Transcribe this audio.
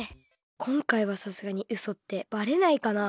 こんかいはさすがにうそってバレないかな？